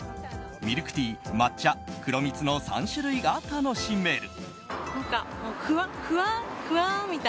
ミルクティー、抹茶、黒蜜の３種類が楽しめる。